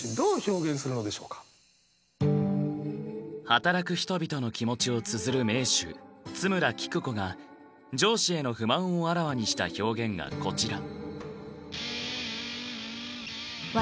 働く人々の気持ちをつづる名手津村記久子が上司への不満をあらわにした表現がこちら。